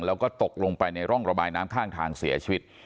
แล้วก็ตกลงไปในร่องระบายน้ำข้างทางเสียชีวิต